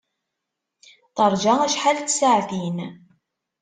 Teṛja acḥal n tsaɛtin.